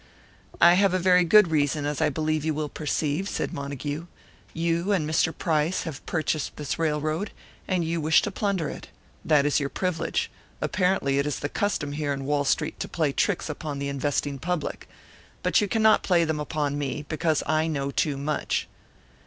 "I have a very good reason, as I believe you will perceive," said Montague. "You and Mr. Price have purchased this railroad, and you wish to plunder it. That is your privilege apparently it is the custom here in Wall Street to play tricks upon the investing public. But you cannot play them upon me, because I know too much."